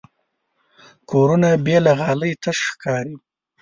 کورونه بې له غالۍ تش ښکاري.